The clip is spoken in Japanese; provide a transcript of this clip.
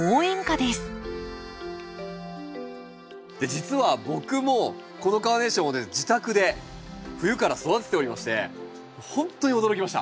実は僕もこのカーネーションを自宅で冬から育てておりましてほんとに驚きました。